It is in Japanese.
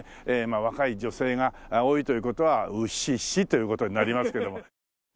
若い女性が多いという事はウッシッシという事になりますけども。